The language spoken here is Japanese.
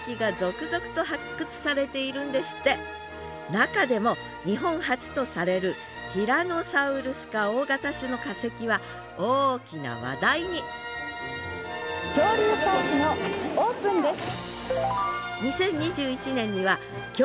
中でも日本初とされるティラノサウルス科大型種の化石は大きな話題に「恐竜パークのオープンです」。